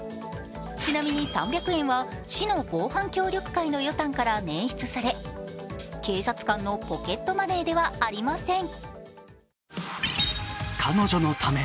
ちなみに３００円は市の防犯協力会の予算から捻出され警察官のポケットマネーではありません。